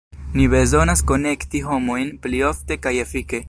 Ni bezonas konekti homojn pli ofte kaj efike.